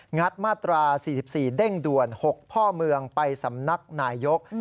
ัดมาตรา๔๔เด้งด่วน๖พ่อเมืองไปสำนักนายยก